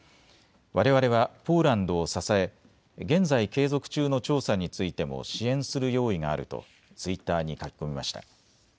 われわれはポーランドを支え現在継続中の調査についても支援する用意があるとツイッターに書き込みました。